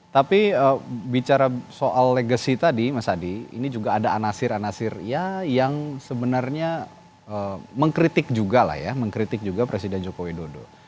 tapi bicara soal legasi tadi mas adi ini juga ada anasir anasir yang sebenarnya mengkritik juga presiden jokowi dodo